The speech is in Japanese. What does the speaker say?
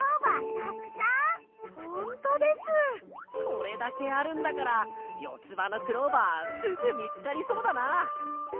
これだけあるんだからよつばのクローバーすぐみつかりそうだな！